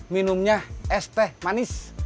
minumnya es teh manis